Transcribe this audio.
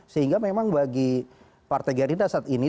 sehingga memang bagi partai gerindra saat ini